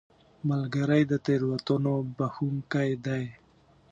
ملګری د تېروتنو بخښونکی دی